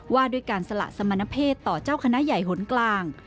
ว่าด้วยการสละสมณเพศต่อเจ้าคณะใหญ่หนกลาง